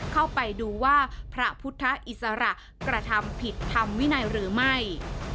เข้าไปดูว่าพระพุทธอิสระกระทำผิดทำวินัยหรือไม่